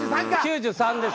９３です。